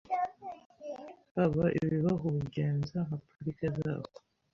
haba ibibahugenza nka parike zabo